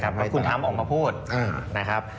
ครับคุณถามออกมาพูดนะครับ